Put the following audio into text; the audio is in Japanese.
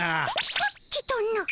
さっきとな？